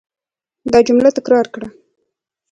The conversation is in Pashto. دا جمله تکرار کړه.